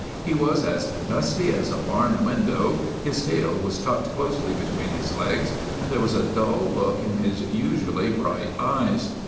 He was as dusty as a barn window, his tail was tucked closely between his legs, and there was a dull look in his usually bright eyes.